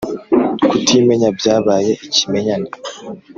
kutimenya byabaye ikimenyane